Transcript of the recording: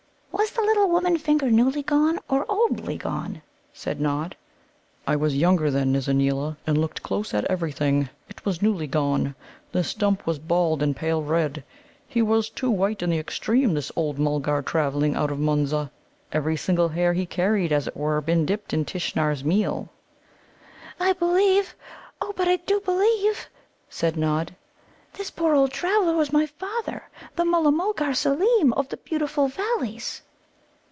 "Was the little woman finger newly gone, or oldly gone?" said Nod. "I was younger then, Nizza neela, and looked close at everything. It was newly gone. The stump was bald and pale red. He was, too, white in the extreme, this old Mulgar travelling out of Munza. Every single hair he carried had, as it were, been dipped in Tishnar's meal." "I believe oh, but I do believe," said Nod, "this poor old traveller was my father, the Mulla mulgar Seelem, of the beautiful Valleys."